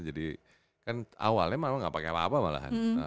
jadi kan awalnya malah gak pakai apa apa malahan